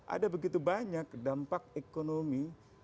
ada begitu banyak dampak ekonomi